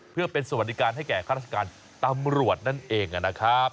เพื่อเป็นสวัสดิการให้แก่ข้าราชการตำรวจนั่นเองนะครับ